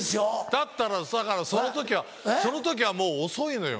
だったらだからその時はその時はもう遅いのよ。